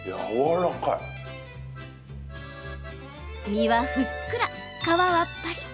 身はふっくら、皮はパリッ！